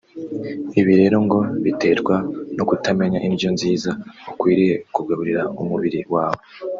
ibi rero ngo biterwa no kutamenya indyo nziza ukwiriye kugaburira umubiri wawe